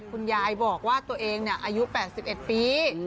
คุณยายบอกว่าตัวเองอายุ๘๑ปี